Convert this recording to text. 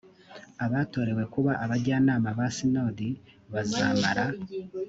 abatorewe kuba abajyanama ba sinodi bazamara